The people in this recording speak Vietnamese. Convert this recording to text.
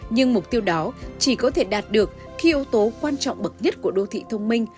nhưng mục tiêu đó chỉ có thể đạt được khi yếu tố quan trọng bậc nhất của đô thị thông minh